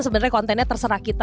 sebenarnya kontennya terserah kita